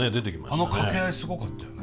あの掛け合いすごかったよね。